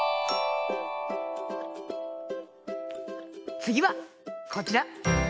つぎはこちら！